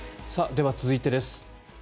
では、続いてです。